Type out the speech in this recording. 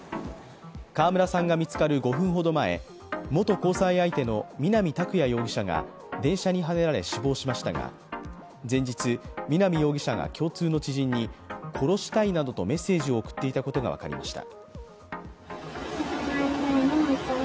川村さんが見つかる５分ほど前、元交際相手の南拓哉容疑者が電車にはねられ死亡しましたが前日、南容疑者が共通の知人に殺したいなどとメッセージを送っていたことが分かりました。